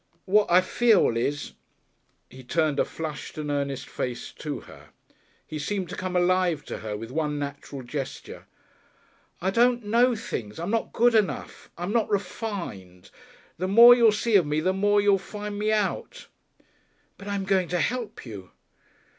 What I feel is " He turned a flushed and earnest face to her. He seemed to come alive to her with one natural gesture. "I don't know things. I'm not good enough. I'm not refined. The more you'll see of me the more you'll find me out." "But I'm going to help you."